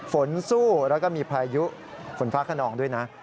ฝนสู้แล้วก็มีพายุฝนฟ้าขนองด้วยนะ